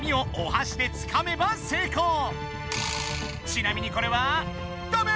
ちなみにこれはダメ！